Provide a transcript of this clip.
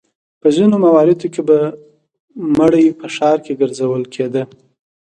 په ځینو مواردو کې به مړی په ښار کې ګرځول کېده.